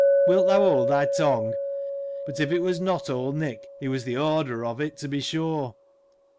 Wilt thou hold thy tongue — but if it was not old Niek, he was the orderer of it, to be sure.